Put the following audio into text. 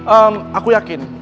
ehm aku yakin